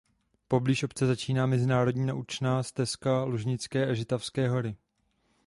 Poblíž obce začíná Mezinárodní naučná stezka Lužické a Žitavské hory.